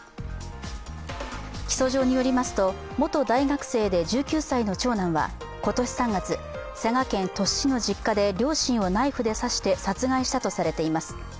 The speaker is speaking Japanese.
起訴状によりますと元大学生で１９歳の長男は今年３月、佐賀県鳥栖市の実家で両親をナイフで刺して殺害したとされています。